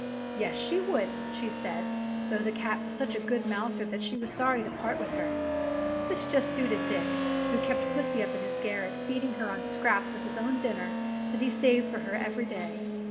"Yes, she would," she said, though the cat was such a good mouser that she was sorry to part with her. This just suited Dick, who kept pussy up in his garret, feed ing her on scraps of his own dinner that he saved for her every day.